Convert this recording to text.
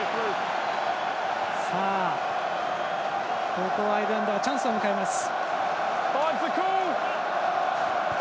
ここはアイルランドチャンスを迎えます。